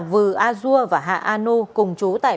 vư azua và hạ anu cùng chú tại